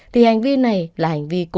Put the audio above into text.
thì hành vi này là hành vi cổ